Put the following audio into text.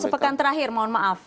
sepekan terakhir mohon maaf